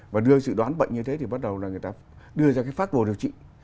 và đưa sự đoán bệnh như thế thì bắt đầu là người ta đưa ra cái phát bồ điều trị